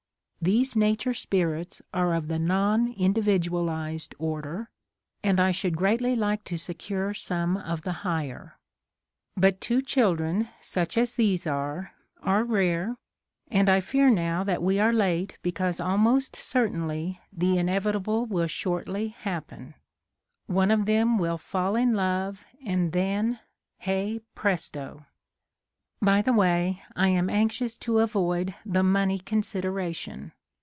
I These nature spirits are of the non individu alized order and I should greatly like to se ■^ cure some of the higher. But two children such as these are, are rare, and I fear now that we are late because almost certainly the inevitable will shortly happen, one of 24 HOW THE MATTER AROSE them will *'fall in love" and then — ^hey presto !! By the way, I am anxious to avoid the money consideration.